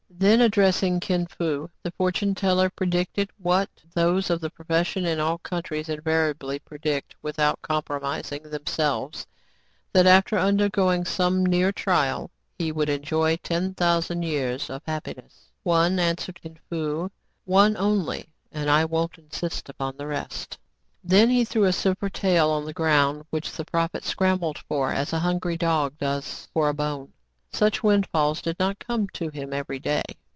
Then, addressing Kin Fo, the fortune teller pre dicted what those of his profession in all countries invariably predict without compromising them selves, — that, after undergoing some near trial, he would enjoy ten thousand years of happiness. " One," answered Kin Fo, " one only, and I won't insist upon the rest." Then he threw a silver tael on the ground, which the prophet scrambled for as a hungry dog does for a bone. Such windfalls did not come to him every day.